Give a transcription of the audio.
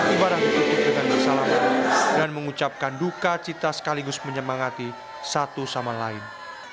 ibadah itu untuk dengan bersalamat dan mengucapkan duka cita sekaligus menyemangati satu sama lain